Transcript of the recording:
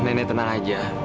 nenek tenang aja